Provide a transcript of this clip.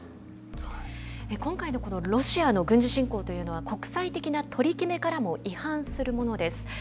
今回のこのロシアの軍事侵攻というのは国際的な取り決めからも違反するものです。